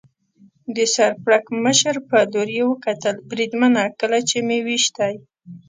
د سر پړکمشر په لور یې وکتل، بریدمنه، کله چې مې وېشتی.